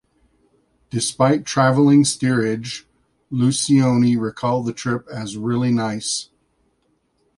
Despite traveling steerage, Lucioni recalled the trip as "really nice".